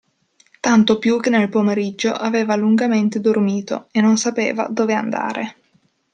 Tanto più che nel pomeriggio aveva lungamente dormito; e non sapeva dove andare.